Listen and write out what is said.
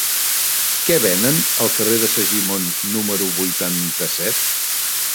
Què venen al carrer de Segimon número vuitanta-set?